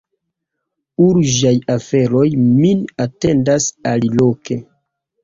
Urĝaj aferoj min atendas aliloke.